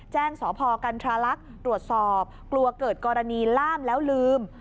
สพกันทราลักษณ์ตรวจสอบกลัวเกิดกรณีล่ามแล้วลืม